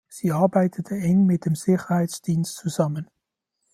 Sie arbeitete eng mit dem Sicherheitsdienst zusammen.